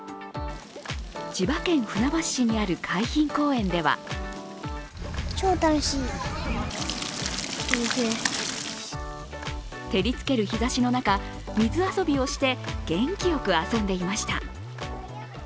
千葉県船橋市にある海浜公園では照りつける日ざしの中水遊びをして元気よく遊んでいました。